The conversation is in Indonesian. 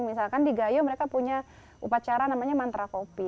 misalkan di gayo mereka punya upacara namanya mantra kopi